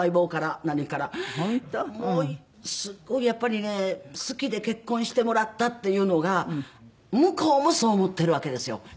やっぱりね好きで結婚してもらったっていうのが向こうもそう思ってるわけですよ。